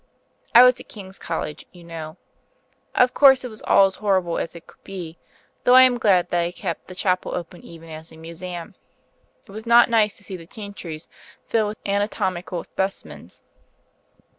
I was at King's College, you know. Of course it was all as horrible as it could be though I am glad they kept the chapel open even as a museum. It was not nice to see the chantries filled with anatomical specimens.